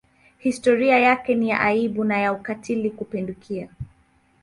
Historia yake ni ya aibu na ya ukatili kupindukia.